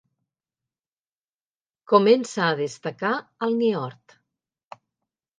Comença a destacar al Niort.